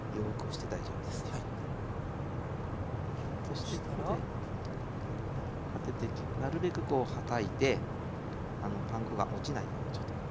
そしてここでこうやってなるべくこうはたいてパン粉が落ちないような状態。